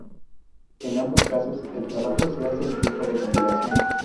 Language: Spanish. En ambos casos, el trabajo se hace en tiempo de compilación.